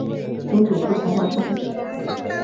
曾祖父黄华生。